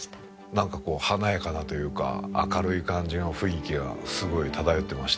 なんかこう華やかなというか明るい感じの雰囲気がすごい漂ってましたね。